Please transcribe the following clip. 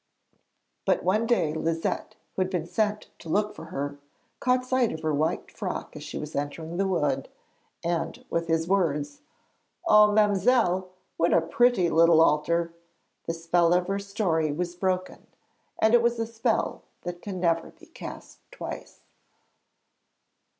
But one day Liset, who had been sent to look for her, caught sight of her white frock as she was entering the wood. And with his words: 'Oh, ma'mselle, what a pretty little altar!' the spell of her story was broken, and it is a spell that can never be cast twice.